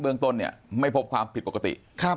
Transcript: เรื่องต้นเนี่ยไม่พบความผิดปกติ